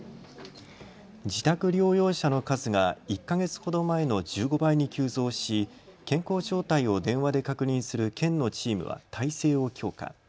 自宅療養者の数が１か月ほど前の１５倍に急増し、健康状態を電話で確認する県のチームは態勢を強化。